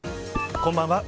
こんばんは。